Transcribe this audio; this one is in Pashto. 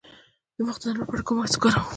د مخ د دانو لپاره کوم ماسک وکاروم؟